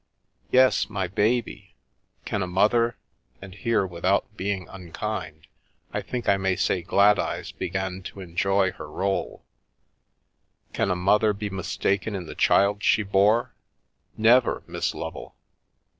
" Yes, my baby. Can a mother "— and here, with out being unkind, I think I may say Gladeyes began to enjoy her role —" can a mother be mistaken in the child she bore ? Never, Miss Lovel !